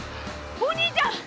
お兄ちゃん！